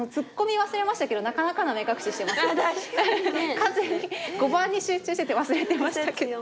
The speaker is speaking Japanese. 完全に碁盤に集中してて忘れてましたけど。